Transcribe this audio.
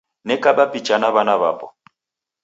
Nekaba picha na w'ana w'apo